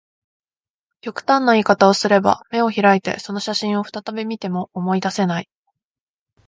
極端な言い方をすれば、眼を開いてその写真を再び見ても、思い出せない